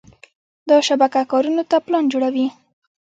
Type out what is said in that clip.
دا شبکه کارونو ته پلان جوړوي.